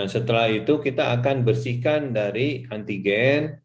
setelah itu kita akan bersihkan dari antigen